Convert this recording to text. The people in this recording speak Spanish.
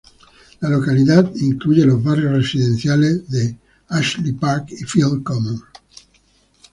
La localidad incluye los barrios residenciales de Ashley Park y Field Common.